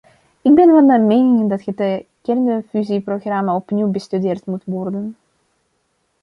Ik ben van mening dat het kernfusieprogramma opnieuw bestudeerd moet worden.